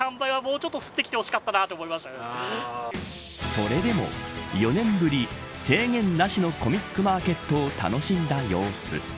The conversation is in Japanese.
それでも、４年ぶり制限なしのコミックマーケットを楽しんだ様子。